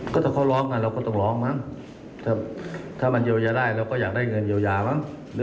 ดูเรื่องกฎหมายรู้ยังรัฐบาลนี้ก็ทำงานยังไง